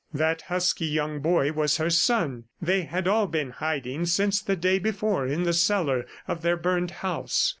That husky young boy was her son. They had all been hiding since the day before in the cellar of their burned house.